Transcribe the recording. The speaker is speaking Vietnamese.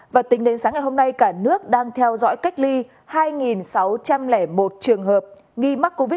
và tính đến sáng ngày hôm nay cả nước đang theo dõi cách ly hai sáu trăm linh một trường hợp nghi mắc covid một mươi chín